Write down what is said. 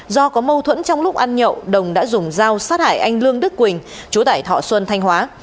do có mâu thuẫn trong lúc ăn nhậu đồng đã dùng dao sát hại anh lương đức quỳnh chú tại thọ xuân thanh hóa